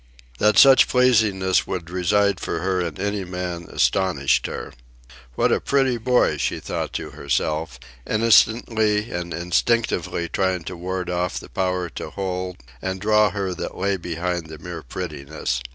That such pleasingness would reside for her in any man astonished her. "What a pretty boy," she thought to herself, innocently and instinctively trying to ward off the power to hold and draw her that lay behind the mere prettiness.